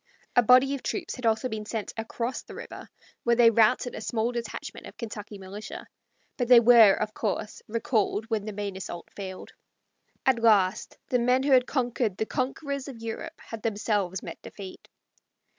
A body of troops had also been sent across the river, where they routed a small detachment of Kentucky militia; but they were, of course, recalled when the main assault failed. At last the men who had conquered the conquerors of Europe had themselves met defeat.